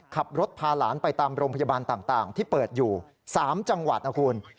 ขับรถพาหลานไปตามโรงพยาบาลต่างที่เปิดอยู่๓จังหวัดนะคุณ